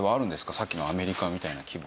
さっきのアメリカみたいな規模の。